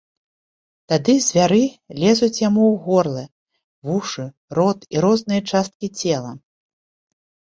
Тады звяры лезуць яму ў горла, вушы, рот і розныя часткі цела.